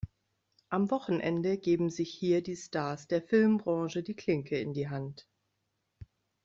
Am Wochenende geben sich hier die Stars der Filmbranche die Klinke in die Hand.